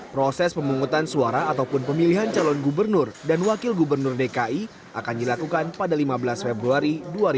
proses pemungutan suara ataupun pemilihan calon gubernur dan wakil gubernur dki akan dilakukan pada lima belas februari dua ribu dua puluh